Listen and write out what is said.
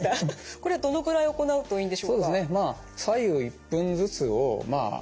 これはどのくらい行うといいんでしょうか？